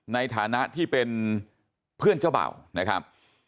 ในฐานะที่เป็นเพื่อนเจ้าเบ่านะครับ